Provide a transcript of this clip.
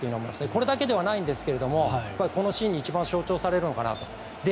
これだけではないですがこのシーンに一番象徴されるのかなと。